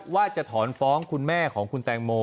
ว่าจะถอนฟ้องคุณแม่ของคุณแตงโม